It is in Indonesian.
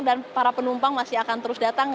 dan para penumpang masih akan terus datang